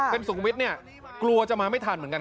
เป็นสุขวิทย์เนี่ยกลัวจะมาไม่ทันเหมือนกัน